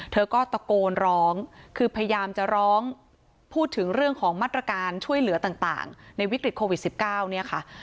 เธอก็ตะโกนร้องคือพยายามจะร้องพูดถึงเรื่องของมาตรการช่วยเหลือต่างในวิกฤตโควิด๑๙เนี่ยค่ะ